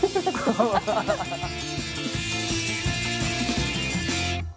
ハハハハ！